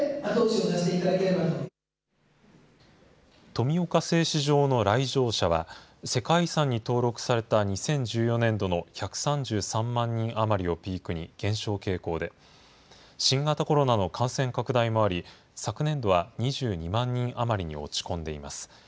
富岡製糸場の来場者は、世界遺産に登録された２０１４年度の１３３万人余りをピークに減少傾向で、新型コロナの感染拡大もあり、昨年度は２２万人余りに落ち込んでいます。